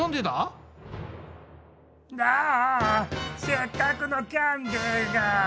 せっかくのキャンデーが！